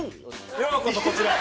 ようこそこちらへ！